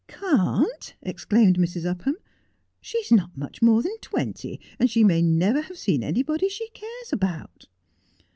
'Can't!' exclaimed Mrs. TJpham. 'She's not much more than twenty, and she may never have seen anybody she cares about.'